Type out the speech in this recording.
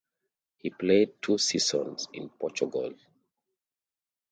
He played two seasons in Portugal.